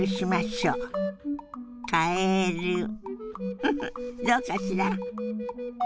フフッどうかしら？